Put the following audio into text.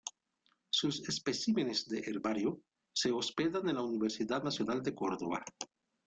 Sus especímenes de herbario se hospedan en la Universidad Nacional de Córdoba.